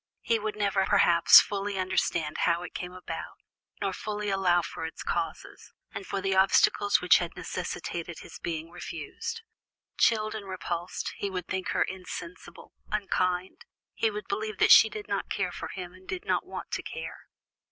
He would never, perhaps, fully understand how it came about, nor fully allow for its causes, and for the obstacle which had necessitated his being refused. Chilled and repulsed, he would think her insensible, unkind; he would believe that she did not care for him, and did not want to care.